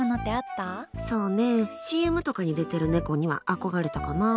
そうね、ＣＭとかに出てる猫には憧れたかなぁ。